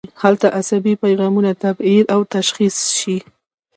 هلته عصبي پیغامونه تعبیر او تشخیص شي.